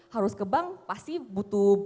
harus ke bank pasti butuh